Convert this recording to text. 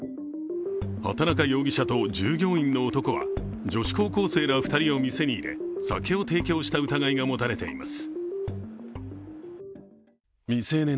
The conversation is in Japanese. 畑中容疑者と従業員の男は女子高校生ら２人を店に入れ酒を提供した疑いが持たれています。